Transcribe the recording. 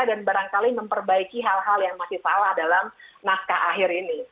dan barangkali memperbaiki hal hal yang masih salah dalam naskah akhir ini